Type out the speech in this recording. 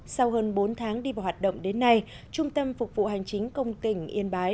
sau hơn bốn tháng đi vào hoạt động đến nay trung tâm phục vụ hành chính công tỉnh yên bái